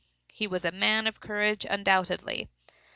He was a man of courage undoubtedly.